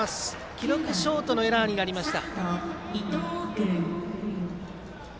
記録、ショートのエラーになりました。